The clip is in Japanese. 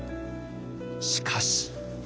しかし。